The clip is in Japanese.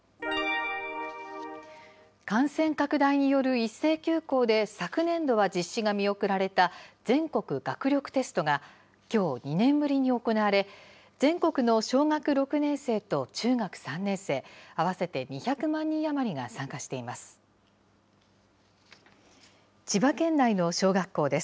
感染拡大による一斉休校で昨年度は実施が見送られた全国学力テストがきょう２年ぶりに行われ、全国の小学６年生と中学３年生合わせて２００万人余りが参加しています。